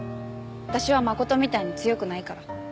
私は真琴みたいに強くないから。